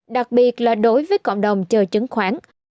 đặc biệt là đối với cộng đồng chờ chứng khoán